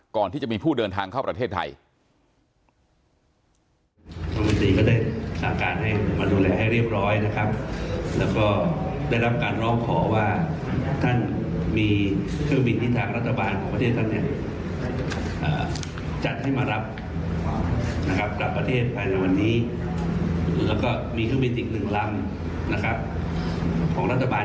ก่อนที่จะมีผู้เดินทางเข้าประเทศไทย